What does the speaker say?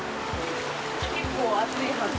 結構、熱いはず。